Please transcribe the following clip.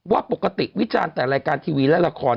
ว่าปกติวิจารณ์แต่รายการทีวีและละคร